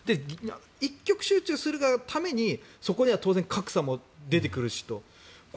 一極集中するがために、そこには当然格差も出てくるしと。